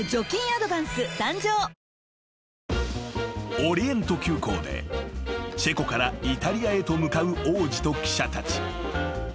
［オリエント急行でチェコからイタリアへと向かう王子と記者たち］